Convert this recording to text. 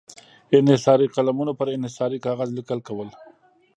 انحصاري قلمونو پر انحصاري کاغذ لیکل کول.